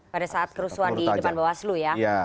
pada saat kerusuhan di depan bawaslu ya